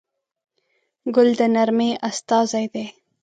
ګل د نرمۍ استازی دی.